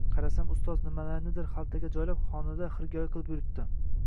Qarasam, ustoz nimalarnidir xaltalarga joylab, xonada xirgoyi qilib yuribdi.